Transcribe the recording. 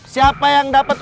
siapa yang dapat